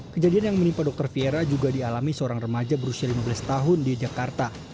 kejadian yang menimpa dr fiera juga dialami seorang remaja berusia lima belas tahun di jakarta